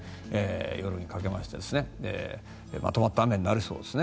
夜にかけてまとまった雨になりそうです。